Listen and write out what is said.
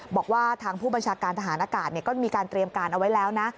บอกว่าทางผู้บัญชาการทหารอากาศก็มีการเตรียมการเอาไว้แล้วนะ